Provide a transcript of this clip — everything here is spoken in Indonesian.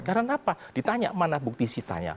karena apa ditanya mana bukti sitanya